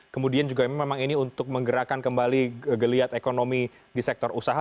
kemudian juga memang ini untuk menggerakkan kembali geliat ekonomi di sektor usaha